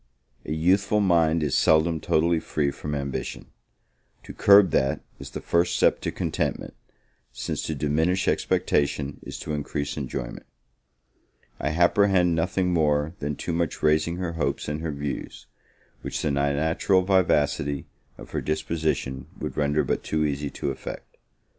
A youthful mind is seldom totally free from ambition; to curb that, is the first step to contentment, since to diminish expectation is to increase enjoyment. I apprehend nothing more than too much raising her hopes and her views, which the natural vivacity of her disposition would render but too easy to effect.